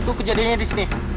waktu itu kejadiannya di sini